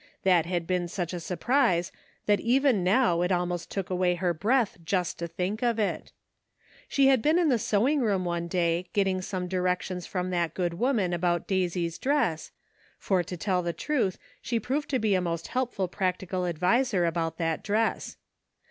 That had been such a surprise that even now it almost took away her breath just to think of it. She had been in the sewing room one day getting some directions from that good woman about Daisy's dress — for to tell the truth she proved to be a most helpful prac tical adviser about that dress.